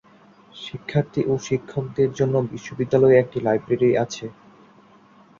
শিক্ষার্থী ও শিক্ষকদের জন্য বিশ্ববিদ্যালয়ে একটা লাইব্রেরি আছে।